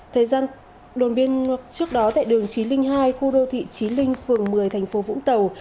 thời gian đồn biên trước đó tại đường chí linh hai khu đô thị chí linh phường một mươi thành phố vũng tàu